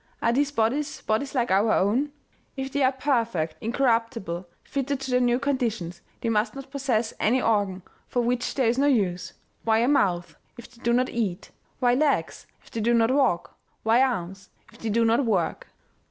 Are these bodies, bodies like our own? If they are perfect, incorruptible, fitted to their new conditions, they must not possess any organ for which there is no use. Why a mouth, if they do not eat ? Why legs, if they do not walk ? Why arms, if they do not work?